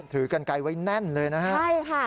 ถือกันไกลไว้แน่นเลยนะฮะใช่ค่ะ